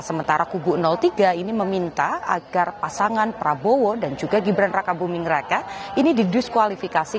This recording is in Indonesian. sementara kubu tiga ini meminta agar pasangan prabowo dan juga gibran raka buming raka ini didiskualifikasi